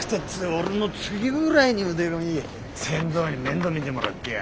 俺の次ぐらいに腕のいい船頭に面倒見てもらってよ。